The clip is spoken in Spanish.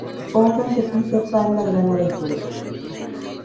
Hogan de "Peter Pan: la gran aventura".